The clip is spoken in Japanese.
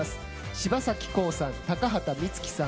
柴咲コウさん、高畑充希さん